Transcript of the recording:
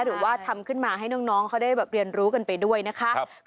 หรือว่าทำขึ้นมาให้น้องเขาได้เรียนรู้กันไปด้วยนะคะ